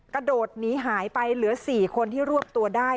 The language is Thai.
กระโดดหนีหายไปเหลือ๔คนที่รวบตัวได้